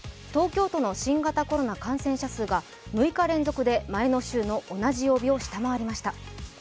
東京都の新型コロナ感染者数が６日連続で前の週の同じ曜日を下回りました。